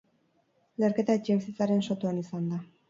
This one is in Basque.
Leherketa etxebizitzaren sotoan izan da.